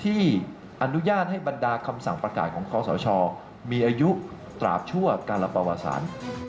ที่อนุญาตให้บรรดาคำสั่งประกาศของคอสชมีอายุตราบชั่วกาลปวสาร